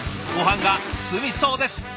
ごはんが進みそうです！